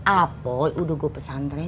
apoy udah gua pesan tren nih